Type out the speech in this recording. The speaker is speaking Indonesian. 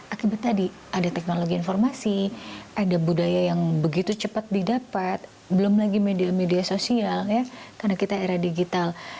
akibat tadi ada teknologi informasi ada budaya yang begitu cepat didapat belum lagi media media sosial ya karena kita era digital